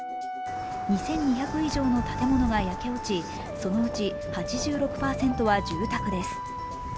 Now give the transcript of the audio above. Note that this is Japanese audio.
２２００以上の建物が焼け落ち、そのうち８６％は住宅です。